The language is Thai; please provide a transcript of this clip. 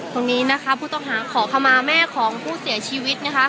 ตรงนี้นะคะผู้ต้องหาขอขมาแม่ของผู้เสียชีวิตนะคะ